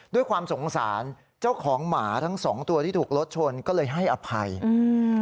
ด้วยความสงสารเจ้าของหมาทั้งสองตัวที่ถูกรถชนก็เลยให้อภัยอืม